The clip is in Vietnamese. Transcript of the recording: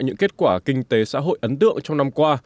những kết quả kinh tế xã hội ấn tượng trong năm qua